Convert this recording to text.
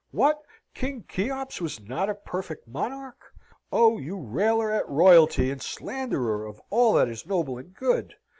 What? King Cheops was not a perfect monarch? Oh, you railer at royalty and slanderer of all that is noble and good!